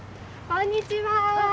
こんにちは。